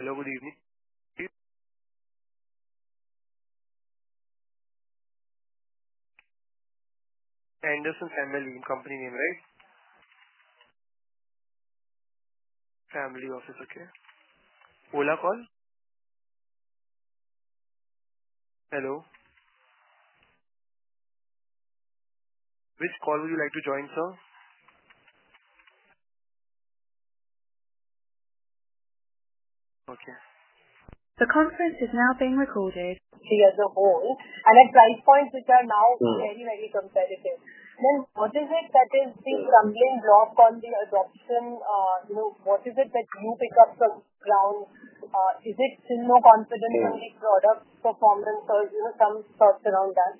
Hello, good evening. Henderson Family Office, right? Family office, okay. Ola Call? Hello? Which call would you like to join, sir? Okay. The conference is now being recorded. She has a home and at price points, which are now very, very competitive. Then what is it that is the stumbling block on the adoption? What is it that you pick up from ground? Is it still no confidence in the product performance, or some thoughts around that?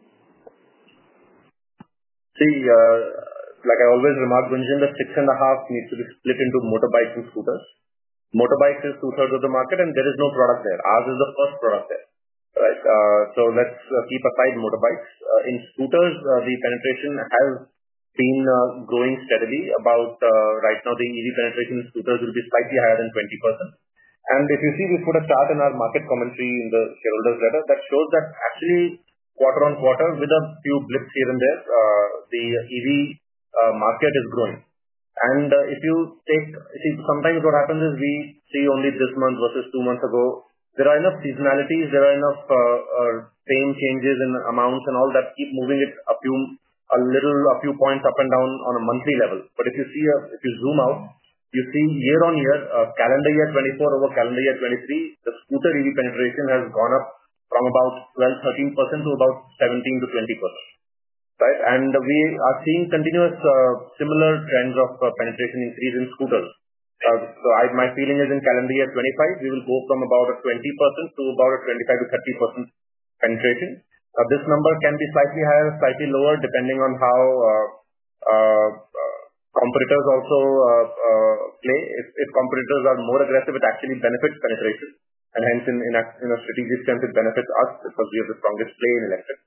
See, like I always remark, Gunjan, the six and a half needs to be split into motorbikes and scooters. Motorbikes are 2/3 of the market, and there is no product there. Ours is the first product there. So let's keep aside motorbikes. In scooters, the penetration has been growing steadily. Right now, the EV penetration in scooters will be slightly higher than 20%. And if you see, we've put a chart in our market commentary in the shareholders' letter that shows that actually, quarter on quarter, with a few blips here and there, the EV market is growing. And if you take, see, sometimes what happens is we see only this month versus two months ago. There are enough seasonalities. There are enough seasonal changes in amounts and all that keep moving it a few points up and down on a monthly level. But if you zoom out, you see year on year, calendar year 2024 over calendar year 2023, the scooter EV penetration has gone up from about 12%-13% to about 17%-20%. And we are seeing continuous similar trends of penetration increase in scooters. So my feeling is in calendar year 2025, we will go from about a 20% to about a 25%-30% penetration. This number can be slightly higher, slightly lower, depending on how competitors also play. If competitors are more aggressive, it actually benefits penetration. And hence, in a strategic sense, it benefits us because we have the strongest play in electric.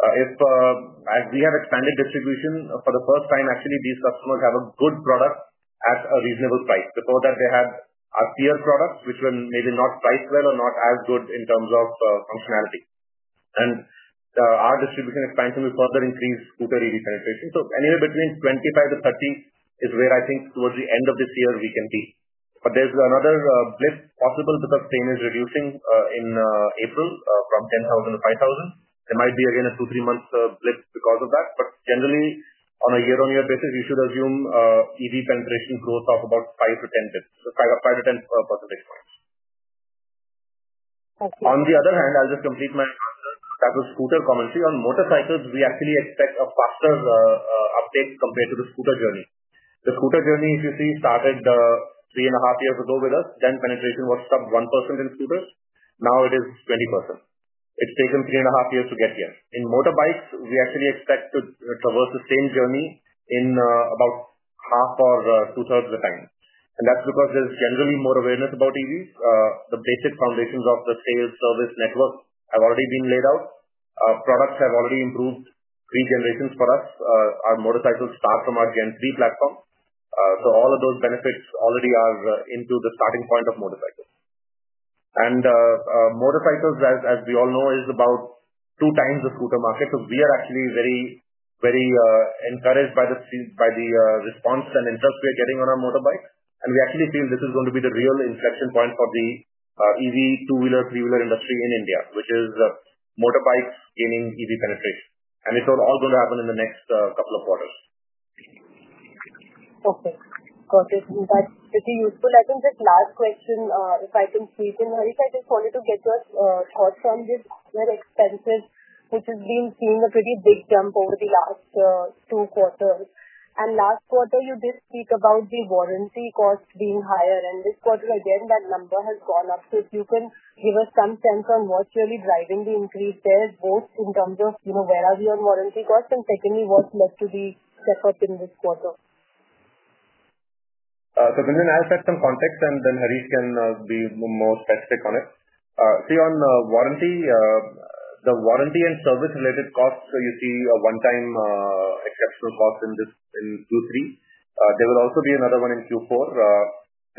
As we have expanded distribution for the first time, actually, these customers have a good product at a reasonable price. Before that, they had our peer products, which were maybe not priced well or not as good in terms of functionality. And our distribution expansion will further increase scooter EV penetration. So anywhere between 25%-30% is where, I think, towards the end of this year, we can be. But there's another blip possible because subsidy is reducing in April from 10,000-5,000. There might be, again, a two, three-month blip because of that. But generally, on a year-on-year basis, you should assume EV penetration growth of about 5-10 points, 5-10 percentage points. Thank you. On the other hand, I'll just complete my answer. That was scooter commentary. On motorcycles, we actually expect a faster uptake compared to the scooter journey. The scooter journey, if you see, started three and a half years ago with us. Then penetration was sub 1% in scooters. Now it is 20%. It's taken three and a half years to get here. In motorbikes, we actually expect to traverse the same journey in about half or two-thirds of the time, and that's because there's generally more awareness about EVs. The basic foundations of the sales, service, network have already been laid out. Products have already improved three generations for us. Our motorcycles start from our Gen 3 platform. So all of those benefits already are into the starting point of motorcycles, and motorcycles, as we all know, is about two times the scooter market. So we are actually very encouraged by the response and interest we are getting on our motorbikes. And we actually feel this is going to be the real inflection point for the EV, two-wheeler, three-wheeler industry in India, which is motorbikes gaining EV penetration. And it's all going to happen in the next couple of quarters. Okay. Got it. That's pretty useful. I think this last question, if I can squeeze in, Harish, I just wanted to get your thoughts on this. OpEx, which has been seeing a pretty big jump over the last two quarters. And last quarter, you did speak about the warranty cost being higher. And this quarter, again, that number has gone up. So if you can give us some sense on what's really driving the increase there, both in terms of where are we on warranty costs, and secondly, what's led to the step-up in this quarter? Gunjan, I'll set some context, and then Harish can be more specific on it. See, on warranty, the warranty and service-related costs, you see a one-time exceptional cost in Q3. There will also be another one in Q4.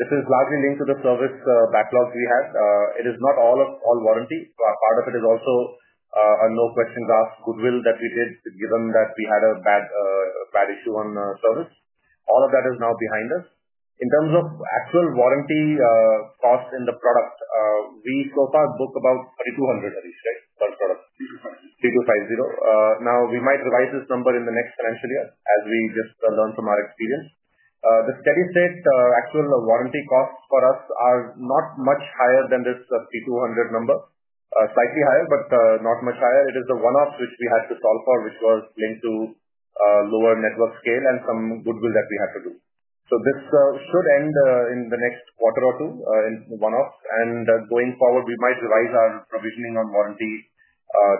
This is largely linked to the service backlogs we had. It is not all warranty. Part of it is also a no-questions-asked goodwill that we did, given that we had a bad issue on service. All of that is now behind us. In terms of actual warranty cost in the product, we so far book about 3,200, Harish, right, per product? 3,250. 3,250. Now, we might revise this number in the next financial year, as we just learned from our experience. The steady-state actual warranty costs for us are not much higher than this 3,200 number. Slightly higher, but not much higher. It is the one-offs, which we had to solve for, which was linked to lower network scale and some goodwill that we had to do. So this should end in the next quarter or two in one-offs. And going forward, we might revise our provisioning on warranty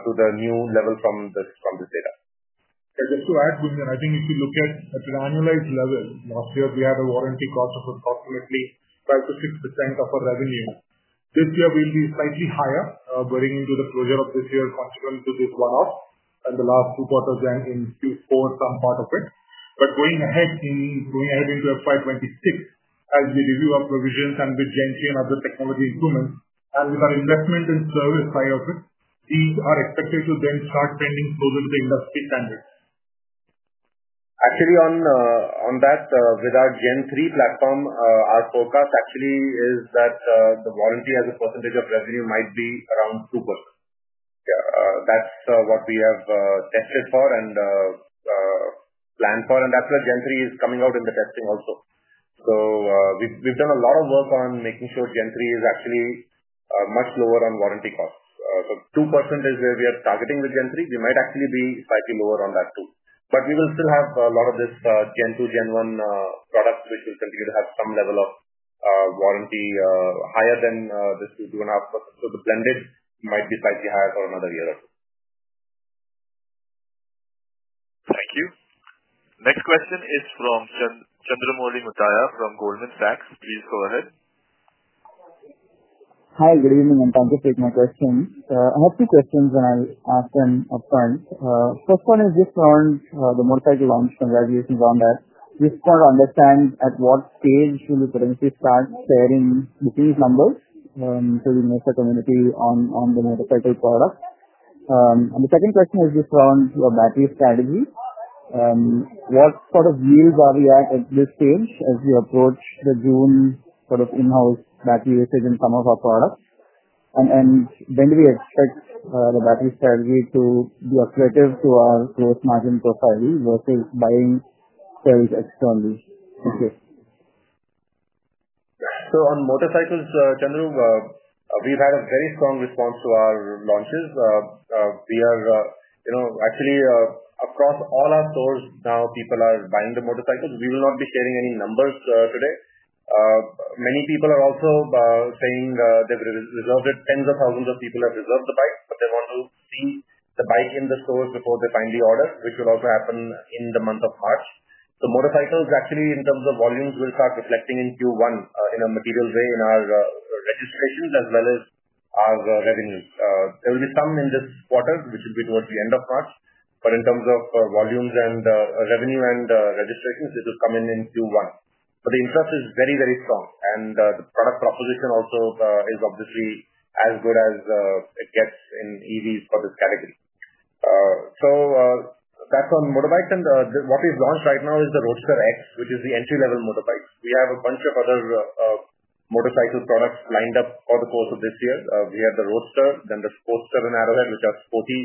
to the new level from this data. Just to add, Gunjan, I think if you look at an annualized level, last year we had a warranty cost of approximately 5%-6% of our revenue. This year will be slightly higher, running into the close of this year consequent to this one-off. And the last two quarters went into Q4, some part of it. But going ahead into FY 2026, as we review our provisions and with Gen 3 and other technology improvements, and with our investment and service side of it, these are expected to then start trending closer to the industry standard. Actually, on that, with our Gen 3 platform, our forecast actually is that the warranty as a percentage of revenue might be around 2%. That's what we have tested for and planned for, and that's where Gen 3 is coming out in the testing also, so we've done a lot of work on making sure Gen 3 is actually much lower on warranty costs. So 2% is where we are targeting with Gen 3. We might actually be slightly lower on that too, but we will still have a lot of these Gen 2, Gen 1 products, which will continue to have some level of warranty higher than this 2.5%, so the blended might be slightly higher for another year or two. Thank you. Next question is from Chandramouli Muthiah from Goldman Sachs. Please go ahead. Hi, good evening, and thanks for taking my question. I have two questions, and I'll ask them upfront. First one is just around the motorcycle launch conversations on that. Just want to understand at what stage will you potentially start sharing the teaser numbers so we can get the commentary on the motorcycle product? And the second question is just around your battery strategy. What sort of yields are we at this stage as we approach the June sort of in-house battery usage in some of our products? And when do we expect the battery strategy to be accretive to our gross margin profile versus buying cells externally? Thank you. So on motorcycles, Chandramouli, we've had a very strong response to our launches. We are actually, across all our stores now, people are buying the motorcycles. We will not be sharing any numbers today. Many people are also saying they've reserved it. Tens of thousands of people have reserved the bike, but they want to see the bike in the stores before they finally order, which will also happen in the month of March. So motorcycles, actually, in terms of volumes, will start reflecting in Q1 in a material way in our registrations as well as our revenues. There will be some in this quarter, which will be towards the end of March. But in terms of volumes and revenue and registrations, it will come in in Q1. But the interest is very, very strong. The product proposition also is obviously as good as it gets in EVs for this category. That's on motorbikes. What we've launched right now is the Roadster X, which is the entry-level motorbikes. We have a bunch of other motorcycle products lined up for the course of this year. We have the Roadster, then the Roadster Pro and Diamondhead, which are sporty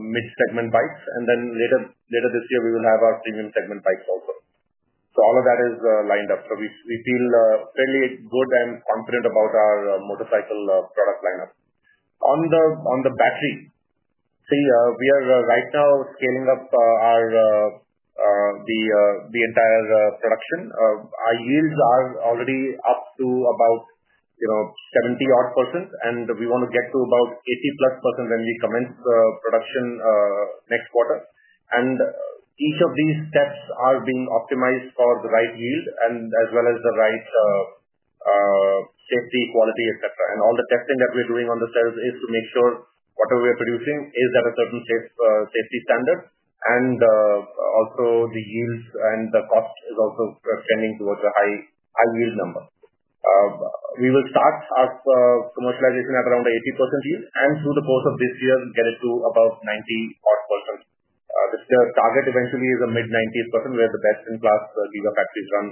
mid-segment bikes. Then later this year, we will have our premium segment bikes also. All of that is lined up. We feel fairly good and confident about our motorcycle product lineup. On the battery, see, we are right now scaling up the entire production. Our yields are already up to about 70%-odd and we want to get to about 80+% when we commence production next quarter. Each of these steps are being optimized for the right yield and as well as the right safety, quality, etc. All the testing that we're doing on the cells is to make sure whatever we are producing is at a certain safety standard. Also, the yields and the cost is also trending towards a high yield number. We will start our commercialization at around 80% yield and, through the course of this year, get it to about 90% odd. The target eventually is a mid-90%s, where the best-in-class Giga factories run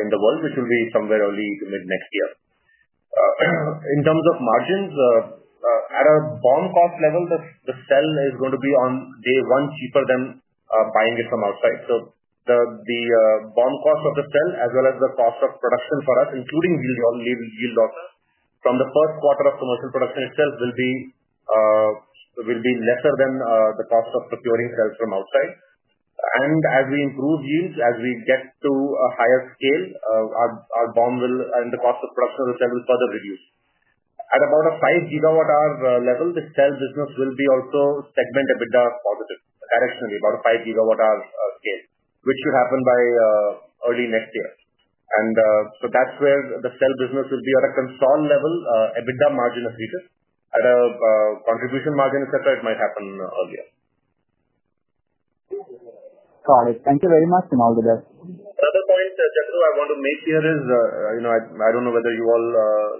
in the world, which will be somewhere early to mid next year. In terms of margins, at a BOM cost level, the cell is going to be on day one cheaper than buying it from outside. The BOM cost of the cell, as well as the cost of production for us, including yield also, from the first quarter of commercial production itself, will be lesser than the cost of procuring cells from outside. As we improve yields, as we get to a higher scale, our BOM and the cost of production of the cell will further reduce. At about a 5 GWh level, the cell business will be also segment EBITDA positive, directionally, about a 5 GWh scale, which should happen by early next year. That's where the cell business will be at a consolidated level, EBITDA margin of return. At a contribution margin, etc., it might happen earlier. Got it. Thank you very much, and all the best. Another point, Chandramouli, I want to make here is I don't know whether you all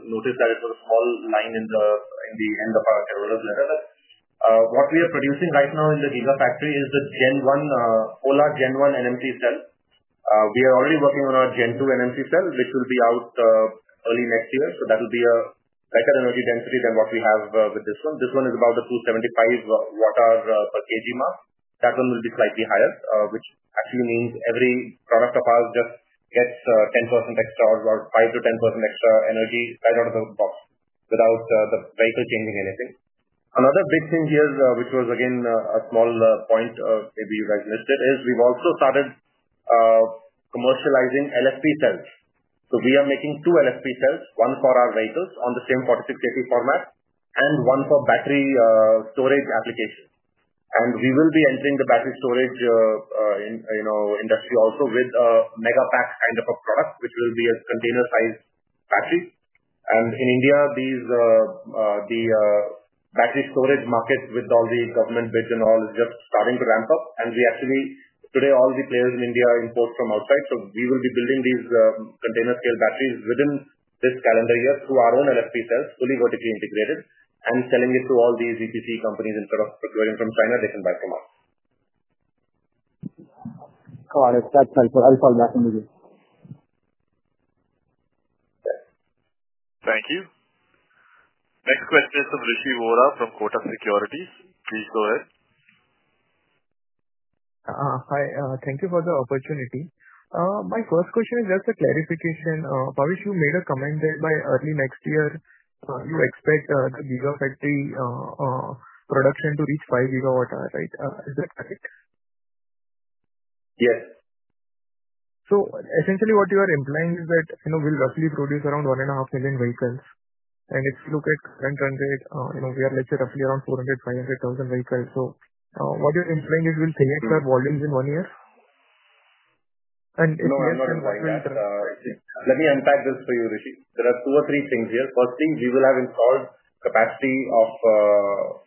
noticed that it was a small line in the end of our shareholders' letter, but what we are producing right now in the Gigafactory is the Gen 1, Ola Gen 1 NMC cell. We are already working on our Gen 2 NMC cell, which will be out early next year. So that will be a better energy density than what we have with this one. This one is about a 275 Wh/kgmark. That one will be slightly higher, which actually means every product of ours just gets 10% extra or 5%-10% extra energy right out of the box without the vehicle changing anything. Another big thing here, which was, again, a small point maybe you guys missed it, is we've also started commercializing LFP cells. So we are making two LFP cells, one for our vehicles on the same 4680 format and one for battery storage application. And we will be entering the battery storage industry also with a mega pack kind of a product, which will be a container-sized battery. And in India, the battery storage market with all the government bids and all is just starting to ramp up. And we actually, today, all the players in India import from outside. So we will be building these container-scale batteries within this calendar year through our own LFP cells, fully vertically integrated, and selling it to all these EPC companies instead of procuring from China. They can buy from us. Got it. That's helpful. I'll fall back into this. Thank you. Next question is from Rishi Vora from Kotak Securities. Please go ahead. Hi. Thank you for the opportunity. My first question is just a clarification. Harish, you made a comment that by early next year, you expect the Gigafactory production to reach 5 GWh, right? Is that correct? Yes. So essentially, what you are implying is that we'll roughly produce around 1.5 million vehicles. And if you look at current rate, we are legit roughly around 400,000-500,000 vehicles. So what you're implying is we'll 3x our volumes in one year? No, I'm not implying that. Let me unpack this for you, Rishi. There are two or three things here. First thing, we will have installed capacity of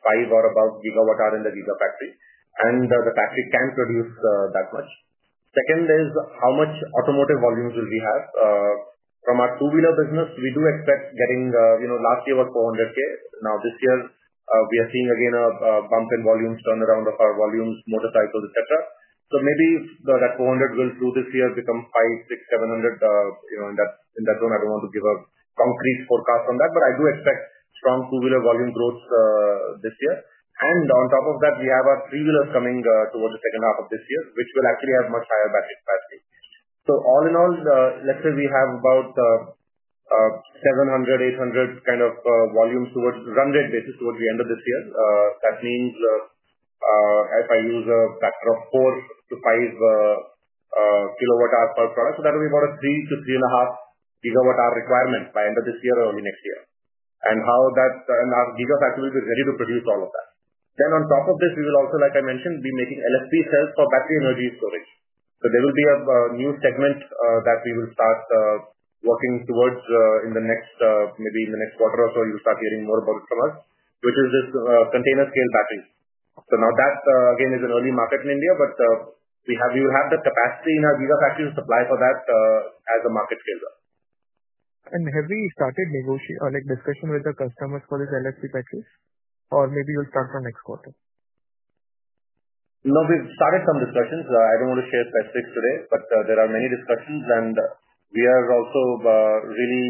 five or above GWh in the Gigafactory, and the factory can produce that much. Second is how much automotive volumes will we have? From our two-wheeler business, we do expect getting last year was 400,000 GWh. Now, this year, we are seeing again a bump in volumes, turnaround of our volumes, motorcycles, etc. So maybe that 400,000 GWh will through this year become 500,000 GWh, 600,000 GWh, 700,000 GWh in that zone. I don't want to give a concrete forecast on that, but I do expect strong two-wheeler volume growth this year, and on top of that, we have our three-wheelers coming towards the second half of this year, which will actually have much higher battery capacity. All in all, let's say we have about 700,000 GWh-800,000 GWh kind of volumes towards run rate basis towards the end of this year. That means if I use a factor of 4 kWh-5 kWh per product, so that will be about a 3 GWh-3.5 GWh requirement by end of this year or early next year. Our Gigafactory will be ready to produce all of that. Then on top of this, we will also, like I mentioned, be making LFP cells for battery energy storage. There will be a new segment that we will start working towards in the next maybe in the next quarter or so. You'll start hearing more about it from us, which is this container-scale battery. So now that, again, is an early market in India, but we will have the capacity in our Gigafactory to supply for that as a market scale growth. Have we started discussion with the customers for this LFP factory? Or maybe you'll start from next quarter? No, we've started some discussions. I don't want to share specifics today, but there are many discussions, and we are also really,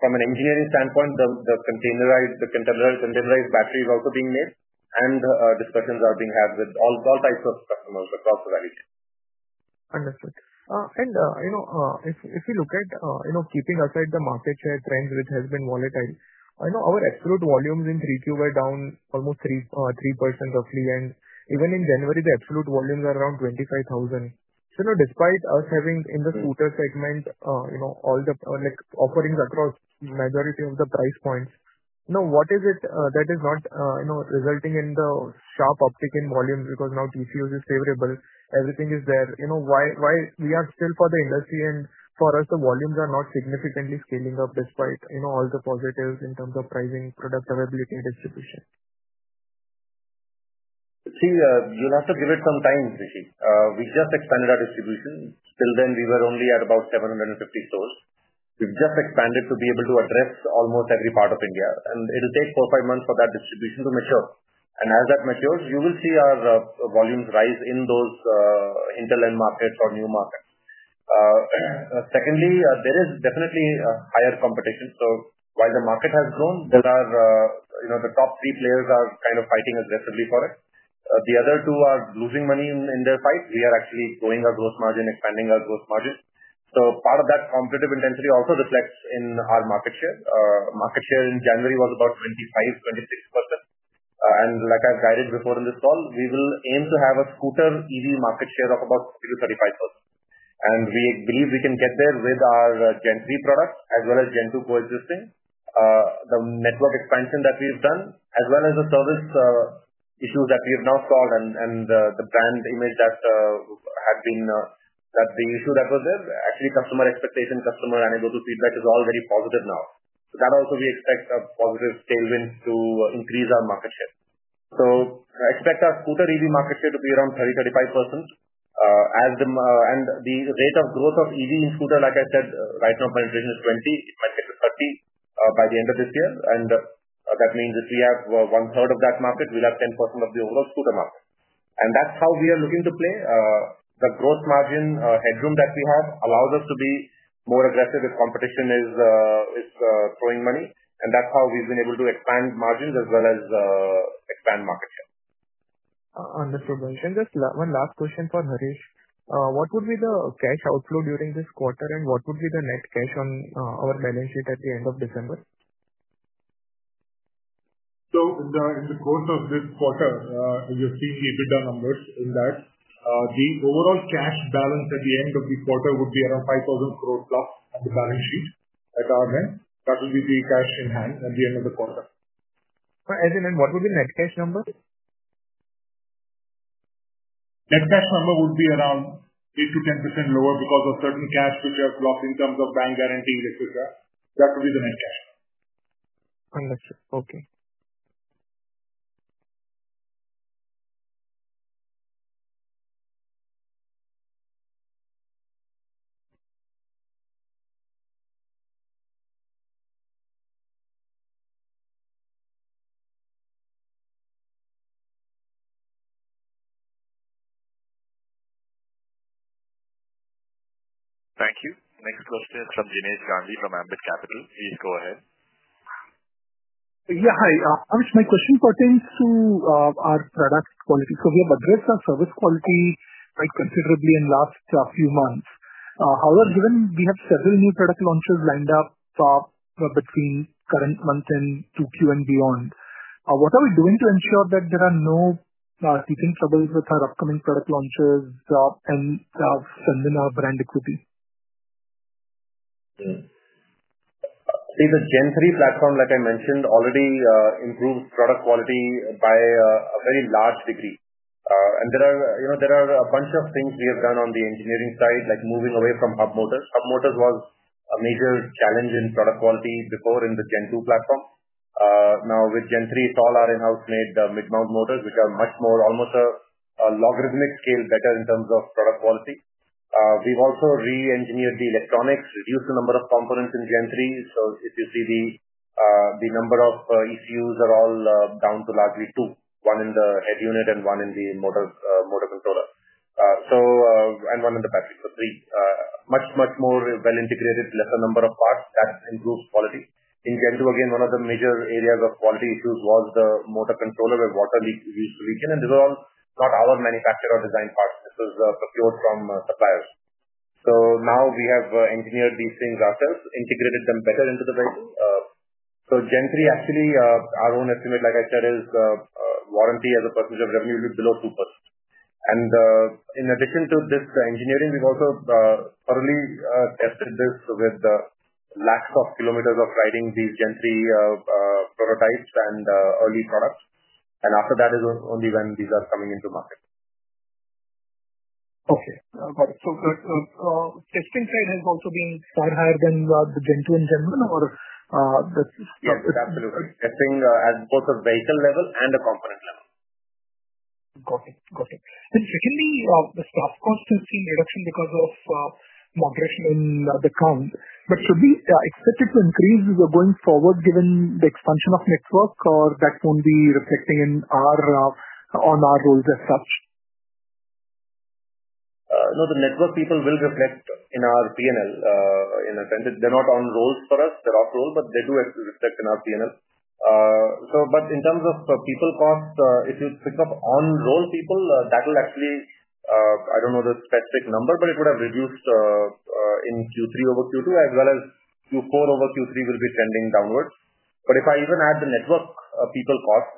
from an engineering standpoint, the containerized battery is also being made, and discussions are being had with all types of customers across the value chain. Understood. And if we look at keeping aside the market share trends, which has been volatile, our absolute volumes in 3Q were down almost 3% roughly. And even in January, the absolute volumes are around 25,000. So despite us having in the scooter segment all the offerings across majority of the price points, now what is it that is not resulting in the sharp uptick in volumes because now TCO is favorable? Everything is there. Why we are still for the industry and for us, the volumes are not significantly scaling up despite all the positives in terms of pricing, product availability, and distribution? See, you'll have to give it some time, Rishi. We just expanded our distribution. Till then, we were only at about 750 stores. We've just expanded to be able to address almost every part of India. And it'll take four, five months for that distribution to mature. And as that matures, you will see our volumes rise in those hinterland markets or new markets. Secondly, there is definitely higher competition. So while the market has grown, the top three players are kind of fighting aggressively for it. The other two are losing money in their fight. We are actually growing our gross margin, expanding our gross margin. So part of that competitive intensity also reflects in our market share. Market share in January was about 25%-26%. And like I've guided before in this call, we will aim to have a scooter EV market share of about 35%-40%. We believe we can get there with our Gen 3 products as well as Gen 2 coexisting. The network expansion that we've done, as well as the service issues that we have now solved and the brand image that had been that the issue that was there, actually customer expectation, customer anecdotal feedback is all very positive now. That also we expect a positive tailwind to increase our market share. Expect our scooter EV market share to be around 30%-35%. The rate of growth of EV in scooter, like I said, right now penetration is 20%. It might get to 30% by the end of this year. That means if we have one-third of that market, we'll have 10% of the overall scooter market. That's how we are looking to play. The Gross Margin headroom that we have allows us to be more aggressive if competition is throwing money, and that's how we've been able to expand margins as well as expand market share. Understood. And just one last question for Harish. What would be the cash outflow during this quarter, and what would be the net cash on our balance sheet at the end of December? In the course of this quarter, you've seen the EBITDA numbers in that. The overall cash balance at the end of the quarter would be around 5,000 crore+ at the balance sheet at our end. That will be the cash in hand at the end of the quarter. As in, what would be the net cash number? Net cash number would be around 8%-10% lower because of certain cash which are blocked in terms of bank guarantees, etc. That would be the net cash. Understood. Okay. Thank you. Next question is from Jinesh Gandhi from Ambit Capital. Please go ahead. Yeah, hi. Harish, my question pertains to our product quality, so we have addressed our service quality quite considerably in the last few months. However, given we have several new product launches lined up between current month and 2Q and beyond, what are we doing to ensure that there are no teething troubles with our upcoming product launches and denting our brand equity? See, the Gen 3 platform, like I mentioned, already improves product quality by a very large degree. And there are a bunch of things we have done on the engineering side, like moving away from hub motors. Hub motors was a major challenge in product quality before in the Gen 2 platform. Now, with Gen 3, it's all our in-house-made mid-mount motors, which are much more almost a logarithmic scale better in terms of product quality. We've also re-engineered the electronics, reduced the number of components in Gen 3. So if you see the number of ECUs are all down to largely two, one in the head unit and one in the motor controller, and one in the battery. So three. Much, much more well-integrated, lesser number of parts. That improves quality. In Gen 2, again, one of the major areas of quality issues was the motor controller where water used to leak in. And these are all not our manufactured or designed parts. This was procured from suppliers. So now we have engineered these things ourselves, integrated them better into the vehicle. So Gen 3, actually, our own estimate, like I said, is warranty as a percentage of revenue below 2%. And in addition to this engineering, we've also thoroughly tested this with the lakhs of kilometers of riding these Gen 3 prototypes and early products. And after that is only when these are coming into market. Okay. Got it. So testing trend has also been far higher than the Gen 2 in general, or? Yes, absolutely. Testing at both a vehicle level and a component level. Got it. Got it. And secondly, the staff cost has seen reduction because of moderation in the comps. But should we expect it to increase going forward given the expansion of network, or that won't be reflecting on our payrolls as such? No, the network people will reflect in our P&L. They're not on-roll for us. They're off-roll, but they do reflect in our P&L. But in terms of people cost, if you pick up on-roll people, that will actually, I don't know the specific number, but it would have reduced in Q3 over Q2, as well as Q4 over Q3 will be trending downwards. But if I even add the network people cost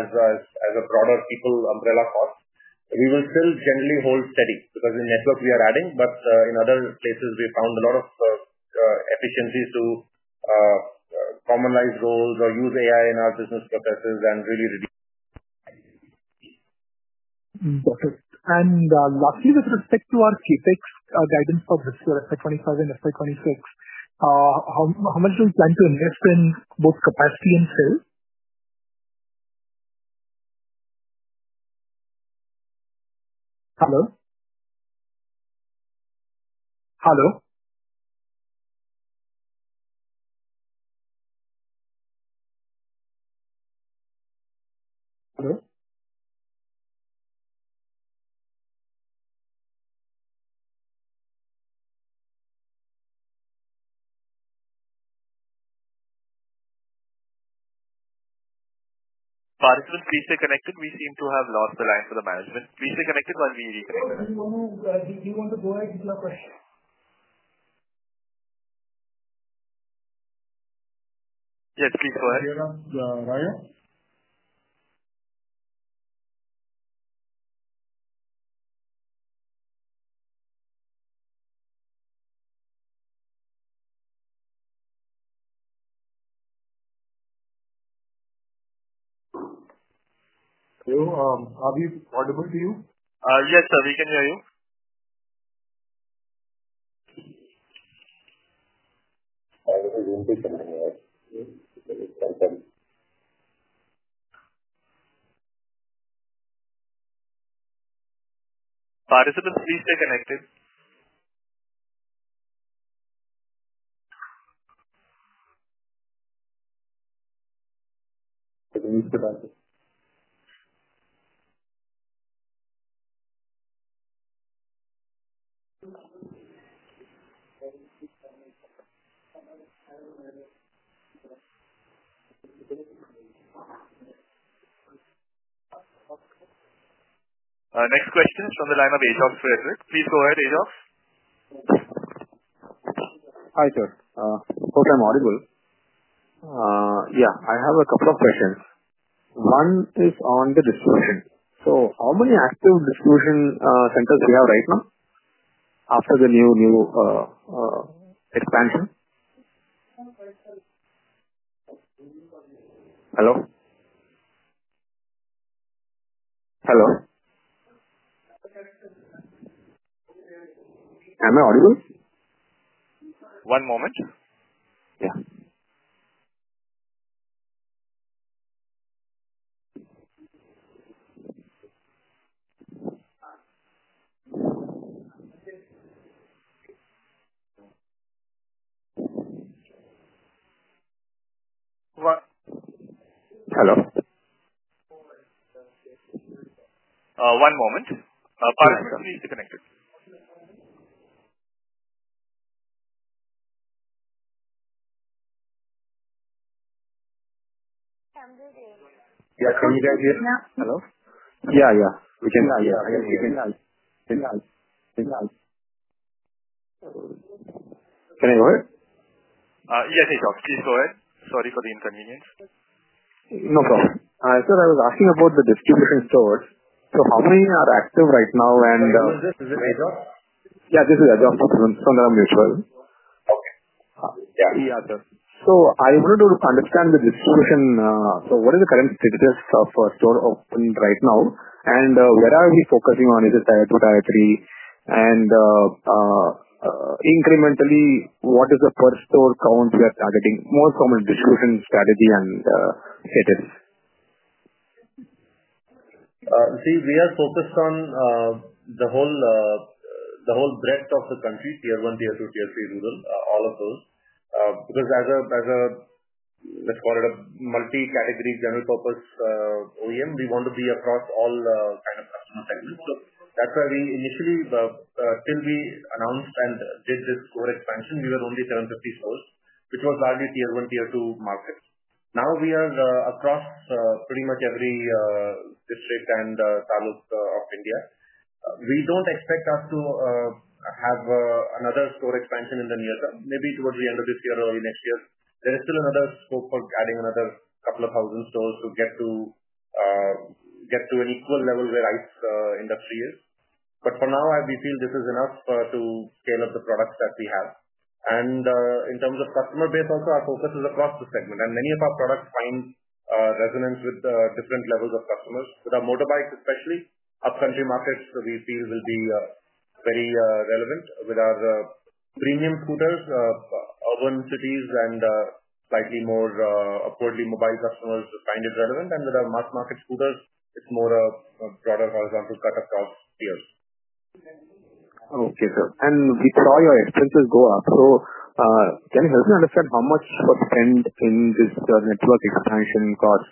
as a broader people umbrella cost, we will still generally hold steady because in network we are adding, but in other places, we found a lot of efficiencies to commonize roles or use AI in our business processes and really reduce. Got it. And lastly, with respect to our CapEx guidance for this year, FY 2025 and FY 2026, how much do we plan to invest in both capacity and sales? Hello? Hello? Hello? Harish, please stay connected. We seem to have lost the line for the management. Please stay connected while we reconnect with Harish. Do you want to go ahead with your question? Yes, please go ahead. Raya? Are we audible to you? Yes, sir. We can hear you. Harish Abichandani, please stay connected. Next question is from the line of Ajox Frederick. Please go ahead, Ajox. Hi, sir. Hope I'm audible. Yeah, I have a couple of questions. One is on the distribution. So how many active distribution centers do we have right now after the new expansion? Hello? Hello? Am I audible? One moment. Yeah. Hello? One moment. Harish, please stay connected. Yeah, can you guys hear? Hello? Yeah, yeah. We can hear you. Can I go ahead? Yes, Ajox, please go ahead. Sorry for the inconvenience. No problem. I thought I was asking about the distribution stores. So how many are active right now? Is it Ajox? Yeah, this is Ajox from Sundaram Mutuai. Yeah, sir. So I wanted to understand the distribution. So what is the current status of stores open right now? And what are we focusing on? Is it tier two, tier three? And incrementally, what is the per store count we are targeting? What's our distribution strategy and status? See, we are focused on the whole breadth of the country, tier one, tier two, tier three, rural, all of those. Because as a, let's call it a multi-category general purpose OEM, we want to be across all kind of customer segments. So that's why we initially, till we announced and did this store expansion, we were only 750 stores, which was largely tier one, tier two markets. Now we are across pretty much every district and taluk of India. We don't expect us to have another store expansion in the near term. Maybe towards the end of this year or early next year. There is still another scope for adding another couple of thousand stores to get to an equal level where ICE industry is. But for now, we feel this is enough to scale up the products that we have. In terms of customer base, also, our focus is across the segment. Many of our products find resonance with different levels of customers. With our motorbikes, especially, upcountry markets, we feel will be very relevant. With our premium scooters, urban cities and slightly more upwardly mobile customers find it relevant. With our mass market scooters, it's more a broader horizontal cut across tiers. Okay, sir. We saw your expenses go up. Can you help me understand how much was spent in this network expansion cost?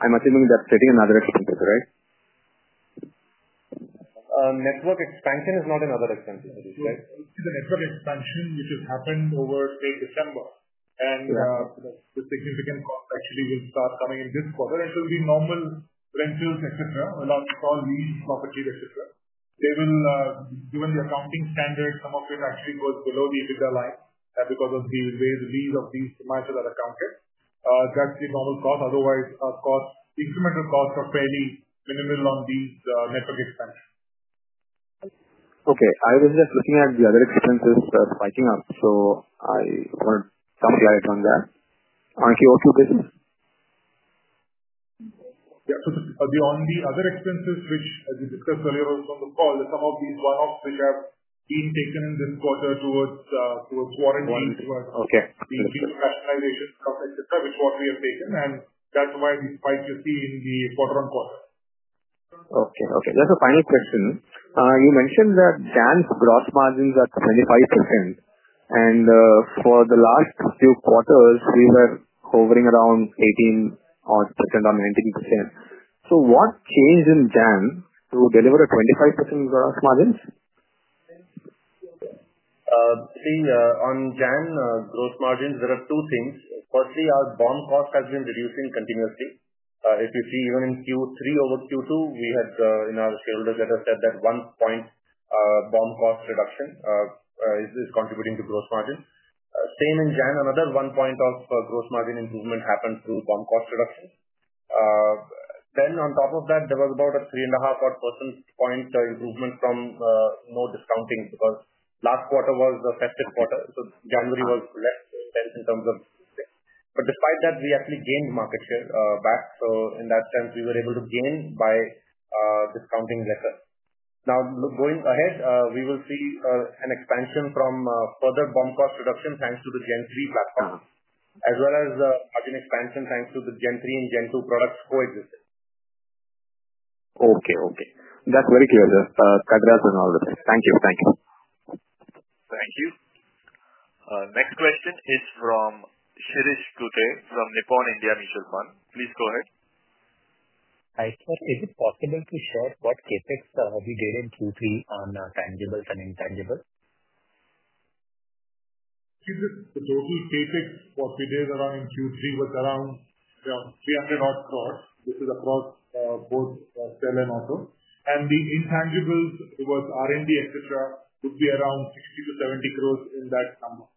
I'm assuming that's separate from other expenses, right? Network expansion is not another expense, Harish, right? It's a network expansion, which has happened over, say, December. And the significant cost actually will start coming in this quarter. And it will be normal rentals, etc., along with all lease, property, etc. Given the accounting standards, some of it actually goes below the EBITDA line because of the way the lease of these semis are accounted. That's the normal cost. Otherwise, incremental costs are fairly minimal on these network expansions. Okay. I was just looking at the other expenses spiking up. So I wanted to come to your end on that. On Q2 basis? Yeah. On the other expenses, which, as we discussed earlier also on the call, some of these one-offs which have been taken in this quarter towards warranty, towards the rationalization cost, etc., which is what we have taken. And that's why the spike you see in the quarter-on-quarter. Okay. Okay. Just a final question. You mentioned that Ola's gross margins are 25%. And for the last few quarters, we were hovering around 18% or 19%. So what changed in Ola to deliver a 25% gross margin? See, on Gen gross margins, there are two things. Firstly, our BOM cost has been reducing continuously. If you see, even in Q3 over Q2, we had, in our shareholders' letter, said that one point BOM cost reduction is contributing to gross margin. Same in Gen. Another one point of gross margin improvement happened through BOM cost reduction. Then, on top of that, there was about a 3.5 percentage point improvement from no discounting because last quarter was the festive quarter. So January was less intense in terms of things. But despite that, we actually gained market share back. So in that sense, we were able to gain by discounting lesser. Now, going ahead, we will see an expansion from further BOM cost reduction thanks to the Gen 3 platform, as well as margin expansion thanks to the Gen 3 and Gen 2 products coexisting. Okay. Okay. That's very clear, sir. Congrats on all this. Thank you. Thank you. Thank you. Next question is from Shirish Guthe from Nippon India Mutual Fund. Please go ahead. Hi, sir. Is it possible to share what CapEx we did in Q3 on tangibles and intangibles? The total CapEx for the quarter around in Q3 was around 300-odd crore, which is across both sale and auto. And the intangibles was R&D, etc., would be around 60 crore-70 crore in that number.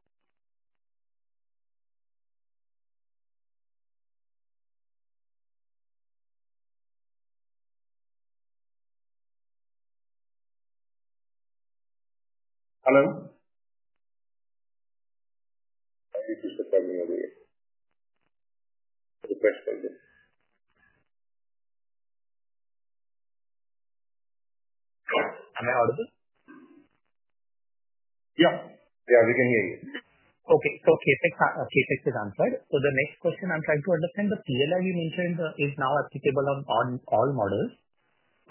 Hello? I think you're still talking over here. Request for you. Am I audible? Yeah. Yeah, we can hear you. Okay. So CapEx is answered. So the next question I'm trying to understand, the PLI we mentioned is now applicable on all models.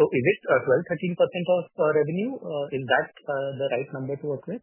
So is it 12%-13% of revenue? Is that the right number to work with?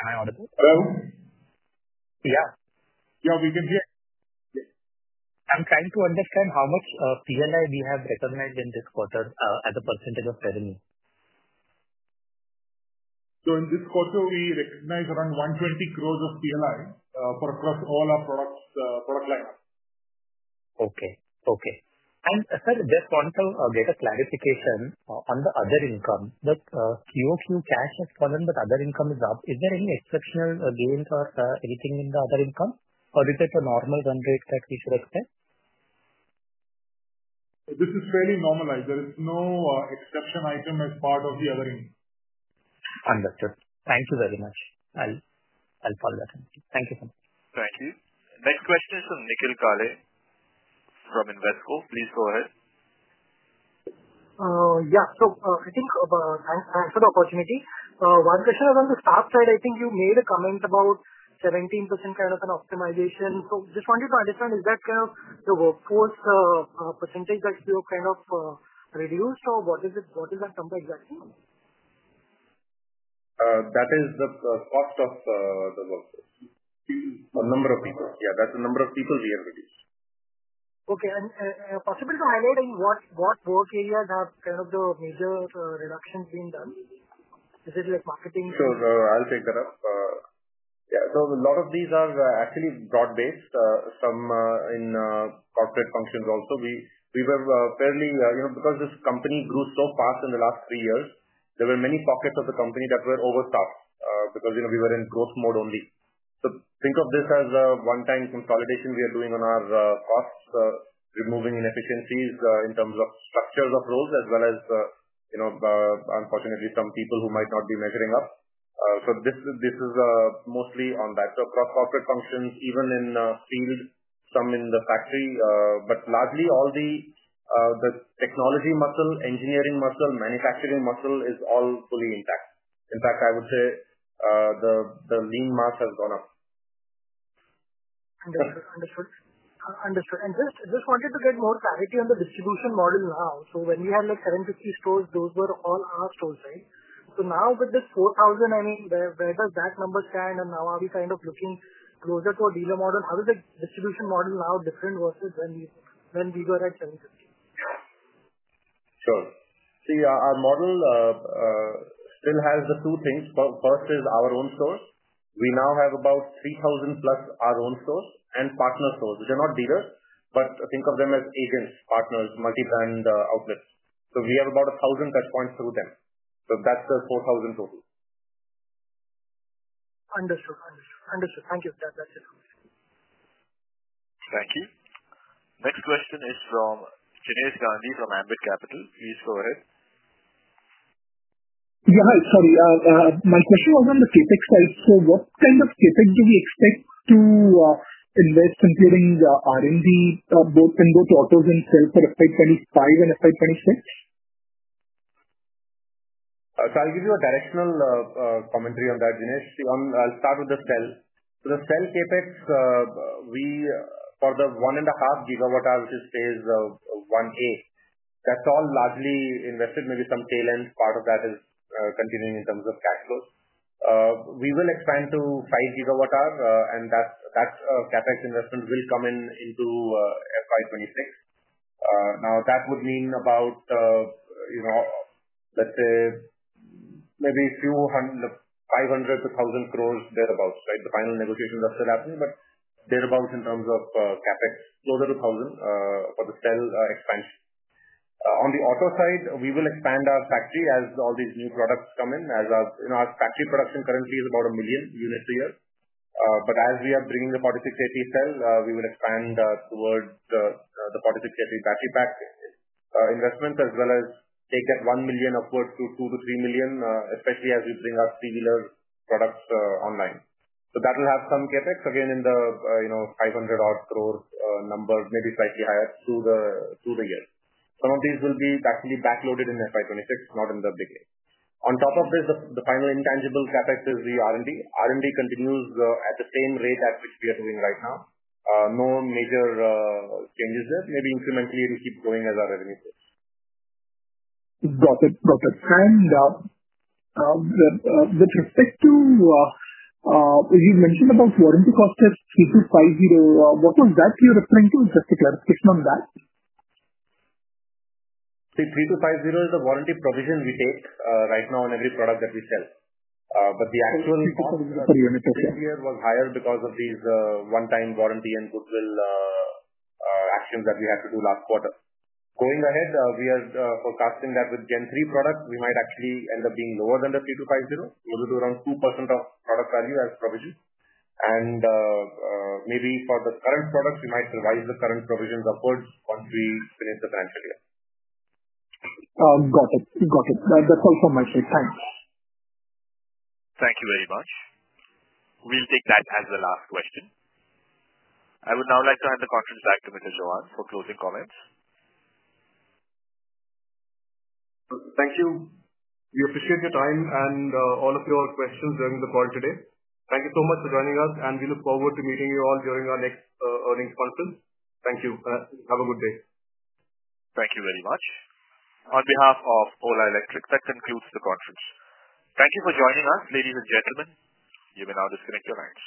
Am I audible? Hello? Yeah. Yeah, we can hear you. I'm trying to understand how much PLI we have recognized in this quarter as a percentage of revenue. In this quarter, we recognized around 120 crores of PLI for across all our product lineup. Okay. Okay. And, sir, just wanted to get a clarification on the other income. But Q2 cash has fallen, but other income is up. Is there any exceptional gains or anything in the other income? Or is it a normal run rate that we should expect? This is fairly normalized. There is no exception item as part of the other income. Understood. Thank you very much. I'll follow that. Thank you so much. Thank you. Next question is from Nikhil Kale from Invesco. Please go ahead. Yeah. So I think thanks for the opportunity. One question on the staff side, I think you made a comment about 17% kind of an optimization. So just wanted to understand, is that kind of the workforce percentage that you have kind of reduced, or what is that number exactly? That is the cost of the workforce. A number of people. Yeah, that's the number of people we have reduced. Okay. Is it possible to highlight what work areas have kind of the major reductions been done? Is it like marketing? Sure. I'll take that up. Yeah. So a lot of these are actually broad-based, some in corporate functions also because this company grew so fast in the last three years, there were many pockets of the company that were overstaffed because we were in growth mode only. So think of this as a one-time consolidation we are doing on our costs, removing inefficiencies in terms of structures of roles, as well as, unfortunately, some people who might not be measuring up. So this is mostly on that. So across corporate functions, even in field, some in the factory. But largely, all the technology muscle, engineering muscle, manufacturing muscle is all fully intact. In fact, I would say the lean mass has gone up. Understood. Understood. And just wanted to get more clarity on the distribution model now. So when we had like 750 stores, those were all our stores, right? So now with this 4,000, I mean, where does that number stand? And now are we kind of looking closer to a dealer model? How is the distribution model now different versus when we were at 750? Sure. See, our model still has the two things. First is our own stores. We now have about 3,000 of our own stores plus partner stores, which are not dealers, but think of them as agents, partners, multi-brand outlets. So we have about 1,000 touch points through them. So that's the 4,000 total. Understood. Understood. Understood. Thank you. That's it. Thank you. Next question is from Jinesh Gandhi from Ambit Capital. Please go ahead. Yeah. Hi. Sorry. My question was on the CapEx side. So what kind of CapEx do we expect to invest, including R&D, both in autos and sales for FY 2025 and FY 2026? So I'll give you a directional commentary on that, Jinesh. I'll start with the cell. So the cell CapEx, for the 1.5 GWh, which is phase 1A, that's all largely invested. Maybe some tail end part of that is continuing in terms of cash flows. We will expand to 5 GWh and that CapEx investment will come into FY 2026. Now, that would mean about, let's say, maybe INR 500crore-INR 1,000 crores thereabouts, right? The final negotiations are still happening, but thereabouts in terms of CapEx, closer to 1,000 for the cell expansion. On the auto side, we will expand our factory as all these new products come in. Our factory production currently is about a million units a year. But as we are bringing the 4680 cell, we will expand towards the 4680 battery pack investments, as well as take that 1 million upwards to 2 million-3 million, especially as we bring our three-wheeler products online. So that will have some CapEx, again, in the 500-odd crore number, maybe slightly higher through the year. Some of these will be actually backloaded in FY 2026, not in FY 2025. On top of this, the final intangible CapEx is the R&D. R&D continues at the same rate at which we are doing right now. No major changes there. Maybe incrementally, it will keep going as our revenue grows. Got it. Got it. And with respect to, as you mentioned about warranty costs at three to 50, what was that you're referring to? Just a clarification on that. See, 3%-5% is the warranty provision we take right now on every product that we sell. But the actual cost per unit per year was higher because of these one-time warranty and goodwill actions that we had to do last quarter. Going ahead, we are forecasting that with Gen 3 products, we might actually end up being lower than the 3%-5%, closer to around 2% of product value as provision. And maybe for the current products, we might revise the current provisions upwards once we finish the financial year. Got it. Got it. That's all from my side. Thanks. Thank you very much. We'll take that as the last question. I would now like to hand the conference back to Mr. Chauhan for closing comments. Thank you. We appreciate your time and all of your questions during the call today. Thank you so much for joining us, and we look forward to meeting you all during our next earnings conference. Thank you. Have a good day. Thank you very much. On behalf of Ola Electric, that concludes the conference. Thank you for joining us, ladies and gentlemen. You may now disconnect your line.